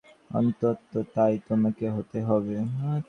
অন্তত তাই তোমাকে হতে হবে।